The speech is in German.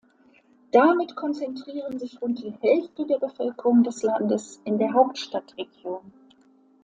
Damit konzentrieren sich rund die Hälfte der Bevölkerung des Landes in der Hauptstadtregion.